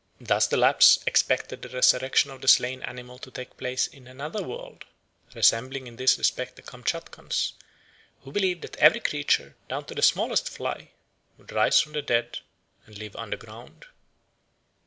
Thus the Lapps expected the resurrection of the slain animal to take place in another world, resembling in this respect the Kamtchatkans, who believed that every creature, down to the smallest fly, would rise from the dead and live underground.